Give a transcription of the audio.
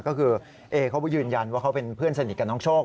ก็คือเอเขายืนยันว่าเขาเป็นเพื่อนสนิทกับน้องโชค